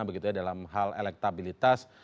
begitu ya dalam hal elektabilitas